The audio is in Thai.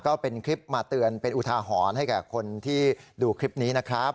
ก็เป็นคลิปมาเตือนเป็นอุทาหรณ์ให้แก่คนที่ดูคลิปนี้นะครับ